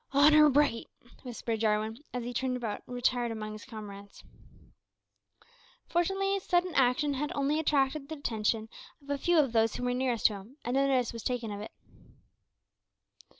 "Honour bright," whispered Jarwin, as he turned about and retired among his comrades. Fortunately his sudden action had only attracted the attention of a few of those who were nearest to him, and no notice was taken of it.